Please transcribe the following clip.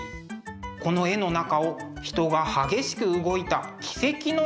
この絵の中を人が激しく動いた軌跡のように見えてきます。